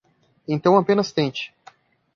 Então apenas tente